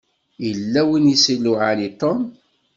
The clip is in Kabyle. Yella win i s-iluɛan i Tom.